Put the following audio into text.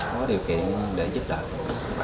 có điều kiện để giúp đỡ